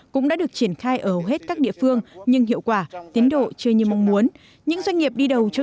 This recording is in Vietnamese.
cũng đã được triển khai ở hết các địa phương nhưng hiệu quả tiến độ chưa như mong muốn